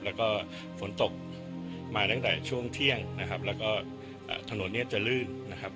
แล้วก็ฝนตกมาตั้งแต่ช่วงเที่ยงนะครับแล้วก็ถนนเนี่ยจะลื่นนะครับ